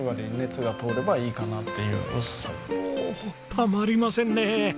たまりませんね！